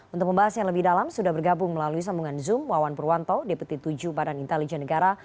untuk membahas yang lebih dalam sudah bergabung melalui sambungan zoom wawan purwanto deputi tujuh badan intelijen negara